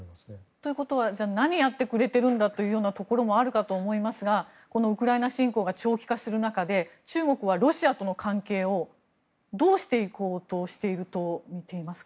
ということは何やってくれてるんだというところもあると思いますがこのウクライナ侵攻が長期化する中で中国はロシアとの関係をどうしていこうとしているとみていますか？